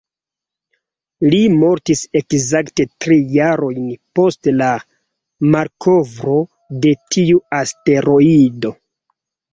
Li mortis ekzakte tri jarojn post la malkovro de tiu asteroido.